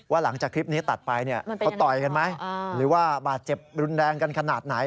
หลังจากคลิปนี้ตัดไปเนี่ยเขาต่อยกันไหมหรือว่าบาดเจ็บรุนแรงกันขนาดไหน